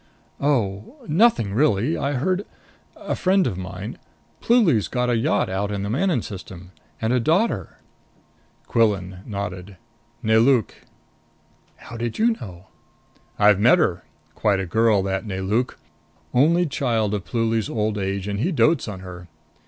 "Oh nothing really. I heard a friend of mine Pluly's got a yacht out in the Manon System. And a daughter." Quillan nodded. "Nelauk." "How did you know?" "I've met her. Quite a girl, that Nelauk. Only child of Pluly's old age, and he dotes on her.